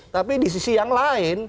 tapi di sisi yang lain